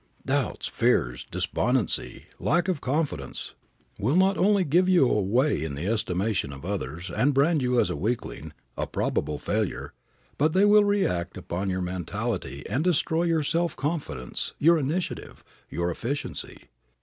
Doubts, fears, despondency, lack of confidence, will not only give you away in the estimation of others and brand you as a weakling, a probable failure, but they will react upon your mentality and destroy your self confidence, your initiative, your efficiency.